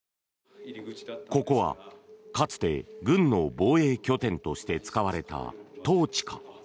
ここはかつて軍の防衛拠点として使われたトーチカ。